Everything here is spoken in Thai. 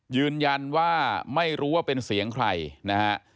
ยืนยันว่าไม่รู้ว่าเป็นเสียงใครนะฮะ